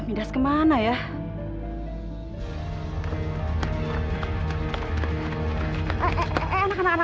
midas main kemana ya